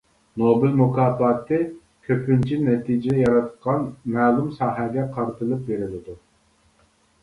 نوبېل مۇكاپاتى كۆپىنچە نەتىجە ياراتقان مەلۇم ساھەگە قارىتىلىپ بېرىلىدۇ.